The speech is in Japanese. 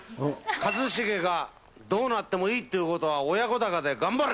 一茂がどうなってもいいっていうことは、親子鷹で頑張れ。